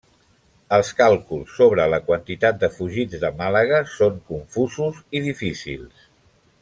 Els càlculs sobre la quantitat de fugits de Màlaga són confusos i difícils.